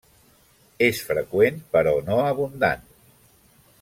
És freqüent però no abundant.